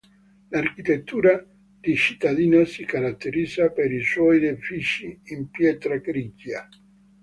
L'architettura di cittadina si caratterizza per i suoi edifici in pietra grigia.